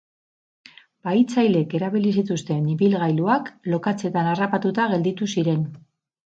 Bahitzaileek erabili zituzten ibilgailuak lokatzetan harrapatuta gelditu ziren.